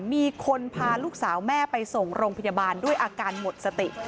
มีคนพาลูกสาวแม่ไปส่งโรงพยาบาลด้วยอาการหมดสติ